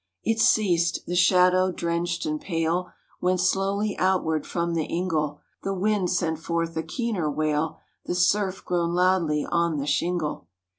It ceased ; the shadow drenched and pale Went slowly outward from the ingle ; The wind sent forth a keener wail, The surf groaned loudly on the shingle.